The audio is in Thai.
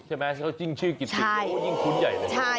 ใช่ไหมชื่อกิตติก็ยิ่งคุ้นใหญ่เลย